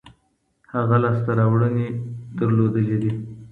هغه لاسته راوړنې لرلي دي.